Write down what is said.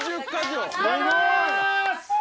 いただきます。